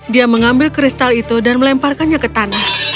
dia mengambil kristal itu dan melemparkannya ke tanah